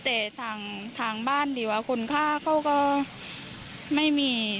แต่ทางบ้านดีกว่าคนฆ่าเขาก็ไม่มี